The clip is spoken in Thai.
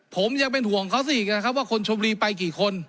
ผมยังเป็นห่วงเขาซะอีกนะครับว่าคนชมรีไปกี่คน